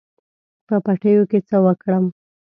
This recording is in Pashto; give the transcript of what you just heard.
په پټیو کې څه وکړم.